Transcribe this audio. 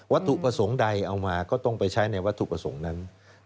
ถูกประสงค์ใดเอามาก็ต้องไปใช้ในวัตถุประสงค์นั้น